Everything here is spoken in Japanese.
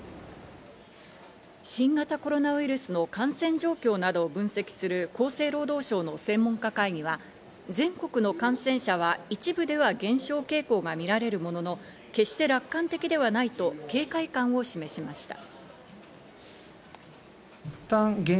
新型コロナウイルスの感染状況などを分析する厚生労働省の専門家会議は全国の感染者は一部では減少傾向が見られるものの、決して楽観的ではないと警戒感を示しました。